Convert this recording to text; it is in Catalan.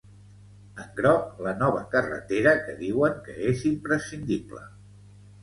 En groc la nova carretera que diuen que és imprescindible.